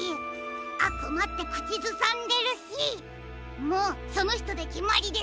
「あくま」ってくちずさんでるしもうそのひとできまりですね！